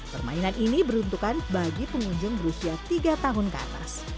permainan ini beruntukan bagi pengunjung berusia tiga tahun ke atas